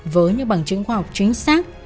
với những bằng chứng khoa học chính xác